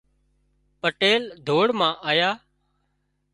پٽيل ڌوڙ مان آيا